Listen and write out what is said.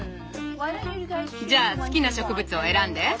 じゃあ好きな植物を選んで。